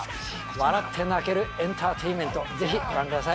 笑って泣けるエンターテインメントぜひご覧ください。